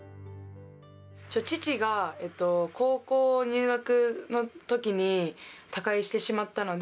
父が高校入学のときに、他界してしまったので。